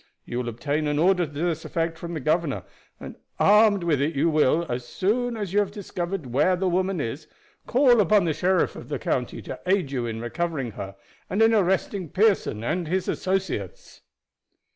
You will obtain an order to this effect from the governor, and armed with it you will, as soon as you have discovered where the woman is, call upon the sheriff of the county to aid you in recovering her, and in arresting Pearson and his associates."